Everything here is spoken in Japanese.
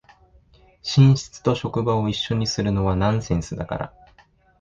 寝室と職場を一緒にするのはナンセンスだから